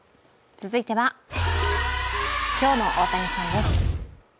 続いては今日の大谷さんです。